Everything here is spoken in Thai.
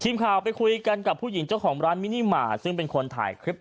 ทีมข่าวไปคุยกันกับผู้หญิงเจ้าของร้านมินิมาร์ซึ่งเป็นคนถ่ายคลิป